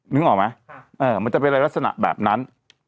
นึกออกไหมมันจะเป็นอะไรลักษณะแบบนั้น